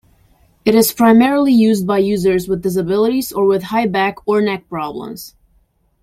It is primarily used by users with disabilities or with high-back or neck problems.